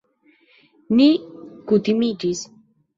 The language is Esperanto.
Ni kutimiĝis!